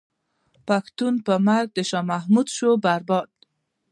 پښتون په مرګ د شاه محمود شو برباد.